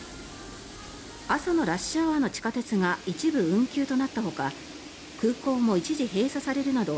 朝のラッシュアワーの地下鉄が一部運休となったほか空港も一時閉鎖されるなど